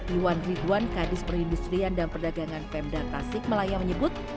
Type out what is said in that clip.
iwan ridwan kadis perindustrian dan perdagangan pemda tasikmalaya menyebut